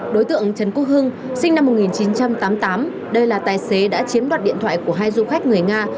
đối tượng trần quốc hưng sinh năm một nghìn chín trăm tám mươi tám đây là tài xế đã chiếm đoạt điện thoại của hai du khách người nga